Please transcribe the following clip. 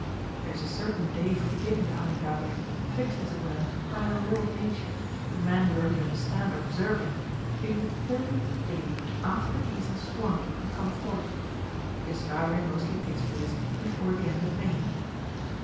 There is a certain day for beginning the honey gathering, fixed, as it were, by a law of Nature, if men would only understand or observe it, being the thirtieth day after the bees have swarmed and come forth. This gathering mostly takes place before the end of May.